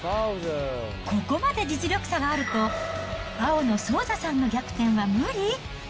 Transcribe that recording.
ここまで実力差があると、青のソウザさんの逆転は無理？